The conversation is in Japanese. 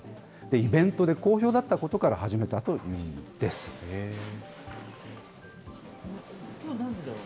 イベントで好評だったことから始めたということです。